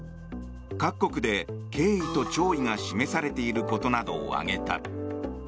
各国で敬意と弔意が示されていることなどを挙げた。